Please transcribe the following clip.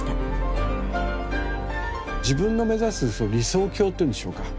自分の目指す理想郷というんでしょうか。